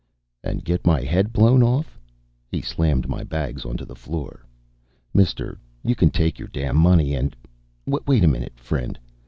"And get my head blown off?" He slammed my bags onto the floor. "Mister, you can take your damn money and " "Wait a minute, friend."